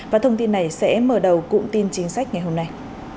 và thông tin này sẽ mở đầu cụm tin chính sách ngày hôm nay